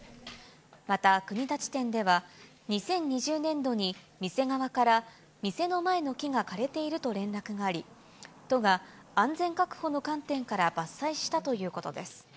また国立店では、２０２０年度に店側から店の前の木が枯れていると連絡があり、都が安全確保の観点から伐採したということです。